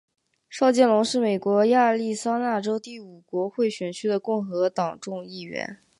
邵建隆是美国亚利桑那州第五国会选区的共和党众议员。